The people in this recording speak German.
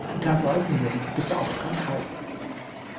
Da sollten wir uns bitte auch dran halten.